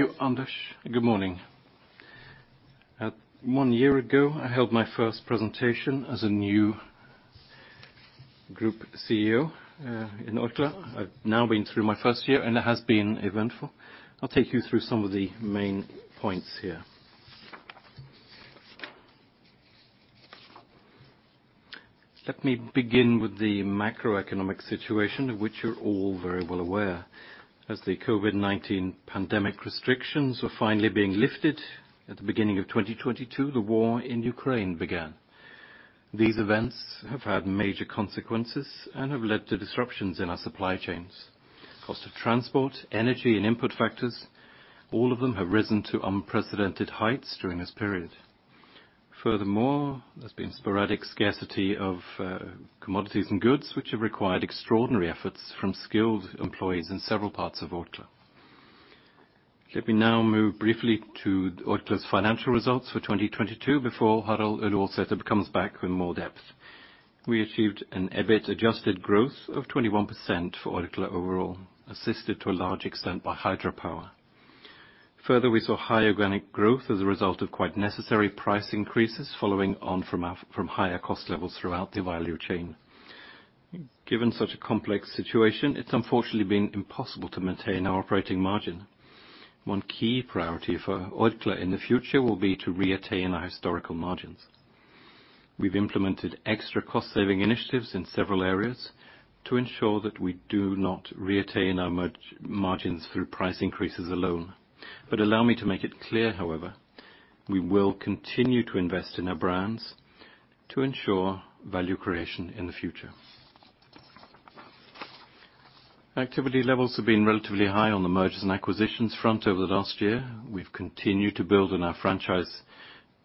Thank you, Anders. Good morning. One year ago, I held my first presentation as a new group CEO in Orkla. I've now been through my first year, and it has been eventful. I'll take you through some of the main points here. Let me begin with the macroeconomic situation, of which you're all very well aware. As the COVID-19 pandemic restrictions were finally being lifted at the beginning of 2022, the war in Ukraine began. These events have had major consequences and have led to disruptions in our supply chains. Cost of transport, energy, and input factors, all of them have risen to unprecedented heights during this period. Furthermore, there's been sporadic scarcity of commodities and goods, which have required extraordinary efforts from skilled employees in several parts of Orkla. Let me now move briefly to Orkla's financial results for 2022 before Harald Ullevoldsæter comes back with more depth. We achieved an EBIT adjusted growth of 21% for Orkla overall, assisted to a large extent by Hydro Power. Further, we saw higher organic growth as a result of quite necessary price increases following on from higher cost levels throughout the value chain. Given such a complex situation, it's unfortunately been impossible to maintain our operating margin. One key priority for Orkla in the future will be to reattain our historical margins. We've implemented extra cost-saving initiatives in several areas to ensure that we do not reattain our margins through price increases alone. But allow me to make it clear, however, we will continue to invest in our brands to ensure value creation in the future. Activity levels have been relatively high on the mergers and acquisitions front over the last year. We've continued to build on our franchise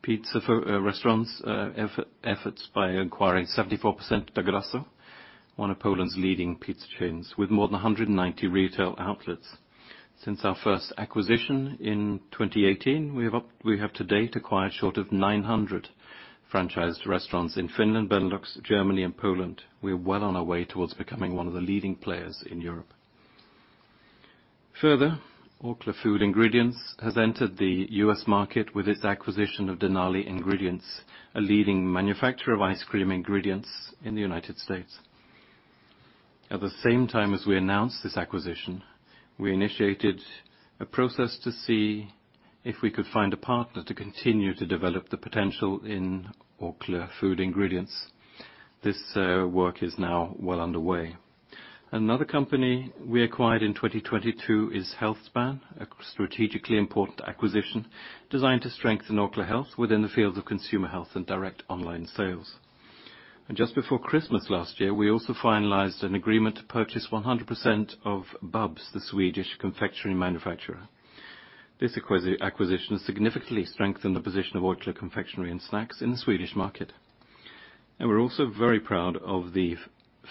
pizza for restaurants efforts by acquiring 74% of Da Grasso, one of Poland's leading pizza chains, with more than 190 retail outlets. Since our first acquisition in 2018, we have to date acquired short of 900 franchised restaurants in Finland, Benelux, Germany, and Poland. We are well on our way towards becoming one of the leading players in Europe. Further, Orkla Food Ingredients has entered the U.S. market with its acquisition of Denali Ingredients, a leading manufacturer of ice cream ingredients in the United States. At the same time as we announced this acquisition, we initiated a process to see if we could find a partner to continue to develop the potential in Orkla Food Ingredients. This work is now well underway. Another company we acquired in 2022 is Healthspan, a strategically important acquisition designed to strengthen Orkla Health within the fields of consumer health and direct online sales. And just before Christmas last year, we also finalized an agreement to purchase 100% of Bubs, the Swedish confectionery manufacturer. This acquisition has significantly strengthened the position of Orkla Confectionery and Snacks in the Swedish market. And we're also very proud of the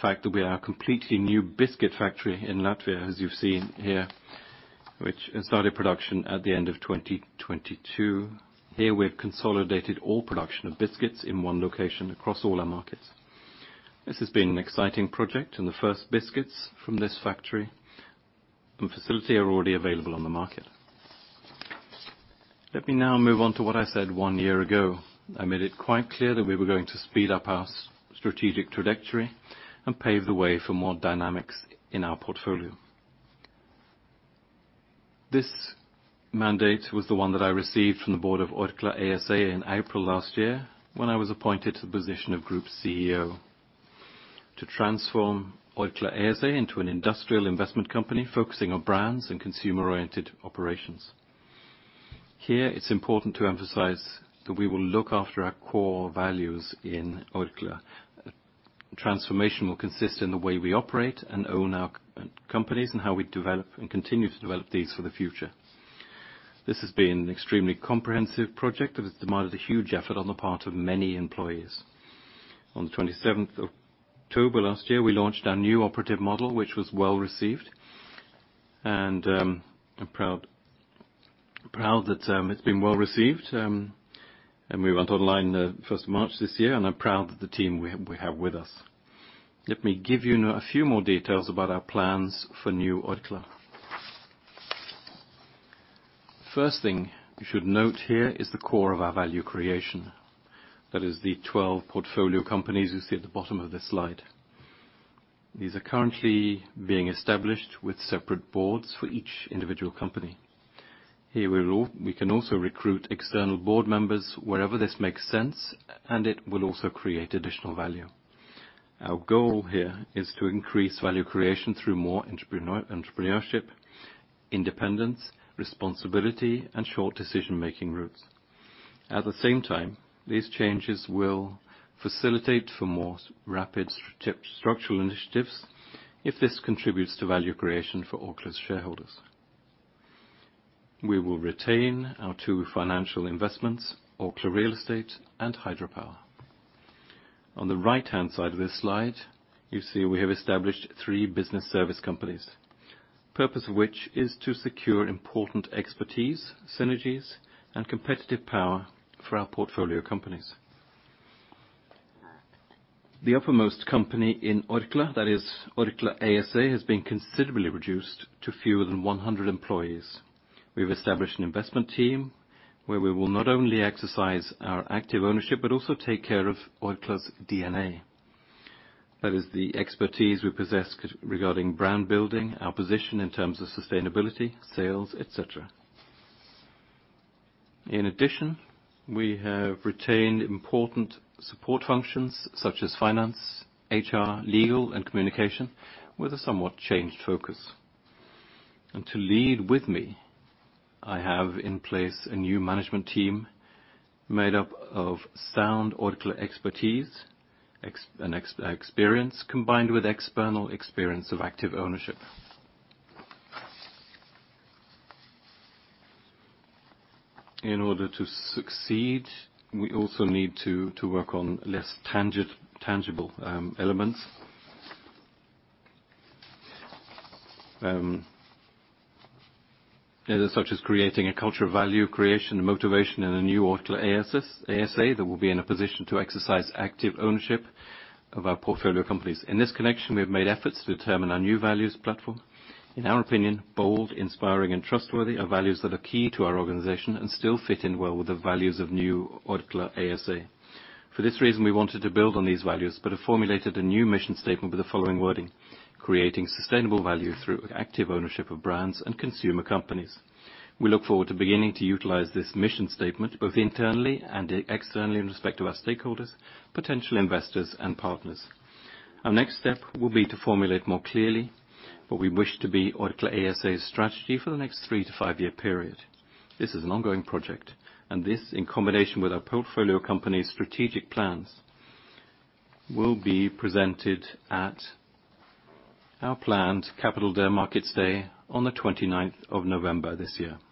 fact that we are a completely new biscuit factory in Latvia, as you've seen here, which started production at the end of 2022. Here, we have consolidated all production of biscuits in one location across all our markets. This has been an exciting project, and the first biscuits from this factory and facility are already available on the market. Let me now move on to what I said one year ago. I made it quite clear that we were going to speed up our strategic trajectory and pave the way for more dynamics in our portfolio. This mandate was the one that I received from the board of Orkla ASA in April last year, when I was appointed to the position of Group CEO, to transform Orkla ASA into an industrial investment company focusing on brands and consumer-oriented operations. Here, it's important to emphasize that we will look after our core values in Orkla. Transformation will consist in the way we operate and own our companies, and how we develop and continue to develop these for the future. This has been an extremely comprehensive project that has demanded a huge effort on the part of many employees. On the 27th of October last year, we launched our new operative model, which was well-received, and I'm proud that it's been well-received, and we went online first of March this year, and I'm proud of the team we have with us. Let me give you now a few more details about our plans for new Orkla. First thing you should note here is the core of our value creation. That is the 12 portfolio companies you see at the bottom of this slide. These are currently being established with separate boards for each individual company. Here, we can also recruit external board members wherever this makes sense, and it will also create additional value. Our goal here is to increase value creation through more entrepreneur, entrepreneurship, independence, responsibility, and short decision-making routes. At the same time, these changes will facilitate for more rapid structural initiatives if this contributes to value creation for Orkla's shareholders. We will retain our two financial investments, Orkla Real Estate and Hydro Power. On the right-hand side of this slide, you see we have established three business service companies, purpose of which is to secure important expertise, synergies, and competitive power for our portfolio companies. The uppermost company in Orkla, that is Orkla ASA, has been considerably reduced to fewer than one hundred employees. We've established an investment team, where we will not only exercise our active ownership, but also take care of Orkla's DNA. That is the expertise we possess regarding brand building, our position in terms of sustainability, sales, et cetera. In addition, we have retained important support functions such as finance, HR, legal, and communication, with a somewhat changed focus. And to lead with me, I have in place a new management team made up of sound Orkla expertise and experience, combined with external experience of active ownership. In order to succeed, we also need to work on less tangible elements such as creating a culture of value creation and motivation in a new Orkla ASA that will be in a position to exercise active ownership of our portfolio companies. In this connection, we have made efforts to determine our new values platform. In our opinion, bold, inspiring, and trustworthy are values that are key to our organization, and still fit in well with the values of new Orkla ASA. For this reason, we wanted to build on these values, but have formulated a new mission statement with the following wording: creating sustainable value through active ownership of brands and consumer companies. We look forward to beginning to utilize this mission statement, both internally and externally, in respect to our stakeholders, potential investors, and partners. Our next step will be to formulate more clearly what we wish to be Orkla ASA's strategy for the next three- to five-year period. This is an ongoing project, and this, in combination with our portfolio company's strategic plans, will be presented at our planned Capital Markets Day on the 29th of November this year.